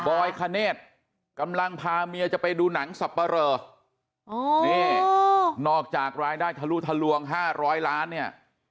อยคเนธกำลังพาเมียจะไปดูหนังสับปะเรอนี่นอกจากรายได้ทะลุทะลวง๕๐๐ล้านเนี่ย